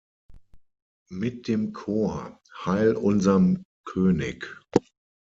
Mit dem Chor „Heil unserm König!